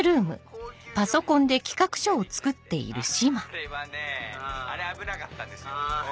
あれはねあれ危なかったんですよ。